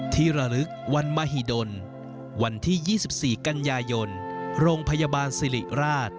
ระลึกวันมหิดลวันที่๒๔กันยายนโรงพยาบาลสิริราช